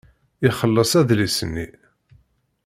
Ixelleṣ adlis-nni.